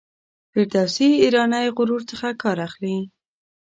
د فردوسي ایرانی غرور څخه کار اخلي.